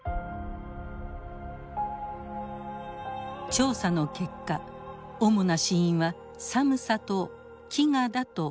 調査の結果主な死因は寒さと飢餓だと判明しました。